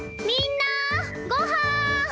みんなごはん！